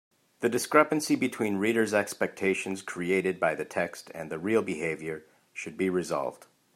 The discrepancy between reader’s expectations created by the text and the real behaviour should be resolved.